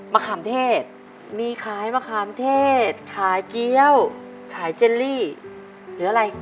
ขามเทศมีขายมะขามเทศขายเกี้ยวขายเจลลี่หรืออะไร